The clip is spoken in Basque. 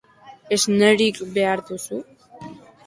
Esnerik behar duzu?